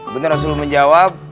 benar rasulullah menjawab